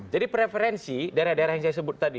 jadi preferensi daerah daerah yang saya sebut tadi